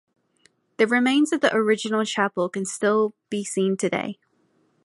The remains of the original chapel can still be seen today.